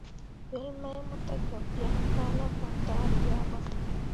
Wel mai mo tə ga byaŋ ka ne bentǝǝri ya ɓa.